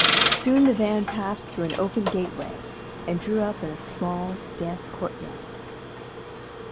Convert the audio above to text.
Soon the van passed through an open gateway, and drew up in a small, damp courtyard.